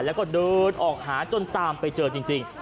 แล้วก็เดินออกหาจนตามไปเจอจริง